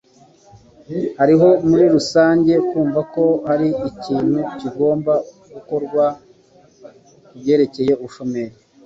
Hariho muri rusange kumva ko hari ikintu kigomba gukorwa kubyerekeye ubushomeri.